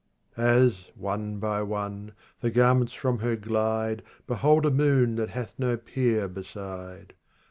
11 As, one by one, the garments from her glide Behold a moon that hath no peer beside.